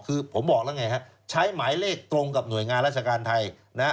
คือผมบอกแล้วไงฮะใช้หมายเลขตรงกับหน่วยงานราชการไทยนะฮะ